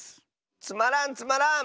つまらんつまらん！